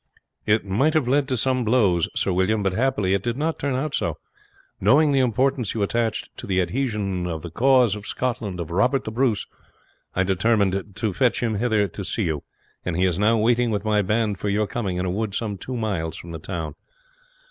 "It might have led to some blows, Sir William, but happily it did not turn out so. Knowing the importance you attached to the adhesion of the cause of Scotland of Robert the Bruce, I determined to fetch him hither to see you; and he is now waiting with my band for your coming, in a wood some two miles from the town."